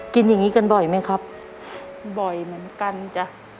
อย่างนี้กันบ่อยไหมครับบ่อยเหมือนกันจ้ะ